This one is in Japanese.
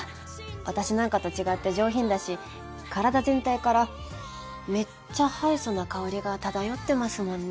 私なんかと違って上品だし体全体からめっちゃハイソな香りが漂ってますもんね。